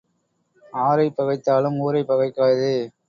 ஆரைப் பகைத்தாலும் ஊரைப் பகைக்காதே.